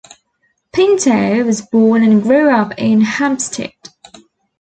Pinto was born and grew up in Hampstead.